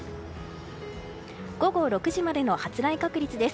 午後６時までの発雷確率です。